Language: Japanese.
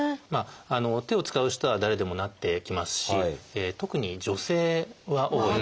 手を使う人は誰でもなってきますし特に女性は多いですね。